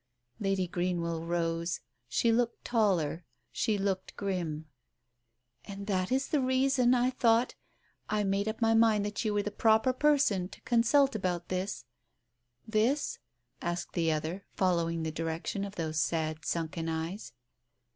Lady Greenwell rose. She looked taller. She looked grim. "And that is the reason I thought — I made up my mind that you were the proper person to consult about this. ..." "This?" asked the other, following the direction of those sad sunken eyes.